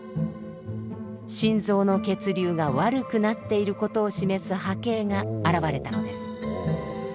心臓の血流が悪くなっていることを示す波形が現れたのです。